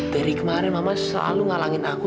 dari kemarin mama selalu ngalangin aku